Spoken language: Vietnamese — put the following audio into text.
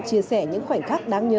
chia sẻ những khoảnh khắc đáng nhớ